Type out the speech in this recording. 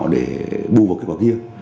để bù vào kết quả kia